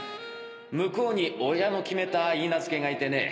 向こうに親の決めた許婚者がいてね